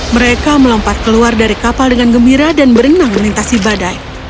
mereka melompat keluar dari kapal dengan gembira dan berenang melintasi badai